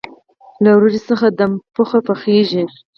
له وریجو څخه دم پخ پخیږي.